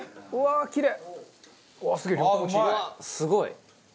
すごい！